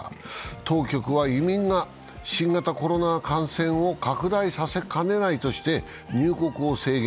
当局は、移民が新型コロナ感染を拡大させかねないとして入国を制限。